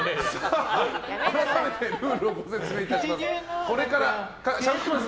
改めてルールをご説明いたします。